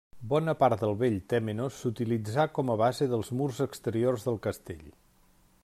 Bona part del vell tèmenos s’utilitzà com a base dels murs exteriors del castell.